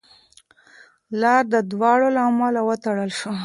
لار د دوړو له امله وتړل شوه.